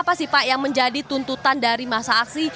apa sih pak yang menjadi tuntutan dari masa aksi